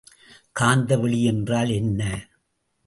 காந்தவெளி என்றால் என்ன?